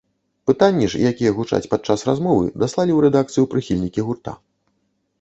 Пытанні ж, якія гучаць падчас размовы, даслалі ў рэдакцыю прыхільнікі гурта.